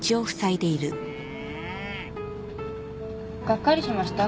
がっかりしました？